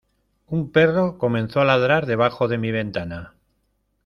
un perro comenzó a ladrar debajo de mi ventana